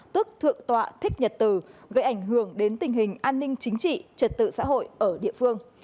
tức thượng tọa thích nhật từ gây ảnh hưởng đến tình hình an ninh chính trị trật tự xã hội ở địa phương